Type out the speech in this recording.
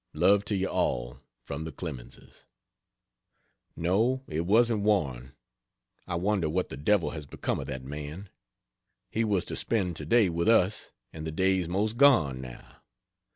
Love to you all from the CLEMENSES. No it wasn't Waring. I wonder what the devil has become of that man. He was to spend to day with us, and the day's most gone, now.